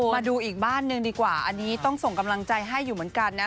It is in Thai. มาดูอีกบ้านหนึ่งดีกว่าอันนี้ต้องส่งกำลังใจให้อยู่เหมือนกันนะ